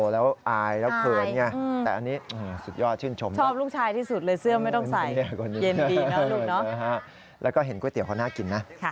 แล้วก็เห็นก๋วยเตี๋ยวเขาน่ากินนะ